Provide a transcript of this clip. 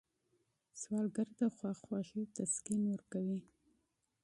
سوالګر ته خواخوږي تسکین ورکوي